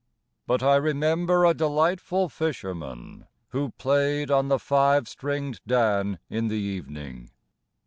But I remember a delightful fisherman Who played on the five stringed dan in the evening.